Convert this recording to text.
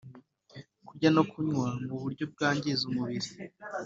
kurya no kunywa mu buryo bwangiza umubiri